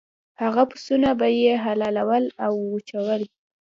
هغه پسونه به یې حلالول او وچول.